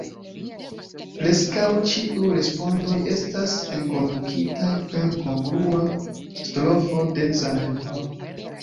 Preskaŭ ĉiuj respondoj estas enkondukitaj per kongrua strofo de Zamenhof.